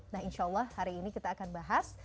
nah insya allah hari ini kita akan bahas